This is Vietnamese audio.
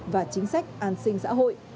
và chính sách an sinh xã hội